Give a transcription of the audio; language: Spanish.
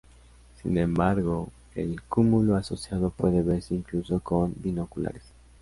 Sin embargo, el cúmulo asociado puede verse incluso con binoculares.